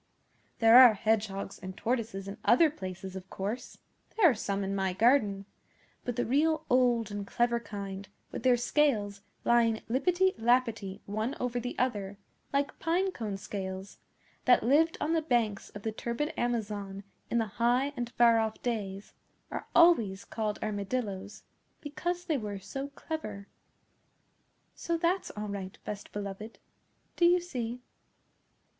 There are Hedgehogs and Tortoises in other places, of course (there are some in my garden); but the real old and clever kind, with their scales lying lippety lappety one over the other, like pine cone scales, that lived on the banks of the turbid Amazon in the High and Far Off Days, are always called Armadillos, because they were so clever. So that; all right, Best Beloved. Do you see?